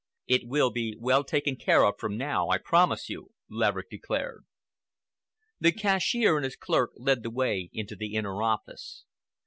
"It will be well taken care of from now, I promise you," Laverick declared. The cashier and his clerk led the way into the inner office.